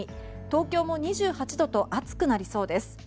東京も２８度と暑くなりそうです。